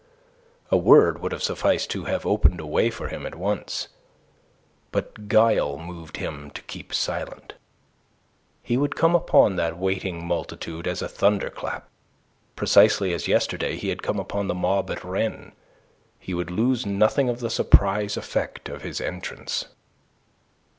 A word would have sufficed to have opened a way for him at once. But guile moved him to keep silent. He would come upon that waiting multitude as a thunderclap, precisely as yesterday he had come upon the mob at Rennes. He would lose nothing of the surprise effect of his entrance.